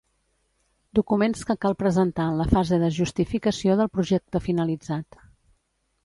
Documents que cal presentar en la fase de justificació del projecte finalitzat.